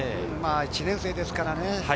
１年生ですからね。